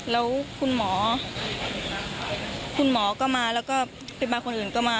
แล้วคุณหมอก็มาแล้วก็พิบัติคนอื่นก็มา